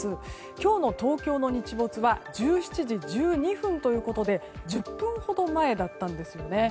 今日の東京の日没は１７時１２分ということで１０分ほど前だったんですよね。